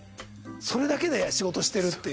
それだけで仕事してるっていう。